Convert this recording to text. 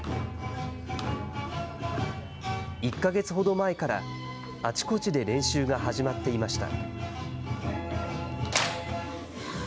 １か月ほど前からあちこちで練習が始まっていました。